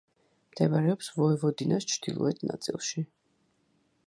მდებარეობს ვოევოდინას ჩრდილოეთ ნაწილში.